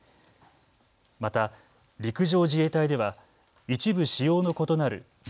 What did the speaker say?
また陸上自衛隊では一部仕様の異なるＶ２２